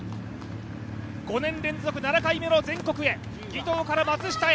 ５年連続７回目の全国へ、儀藤から松下へ。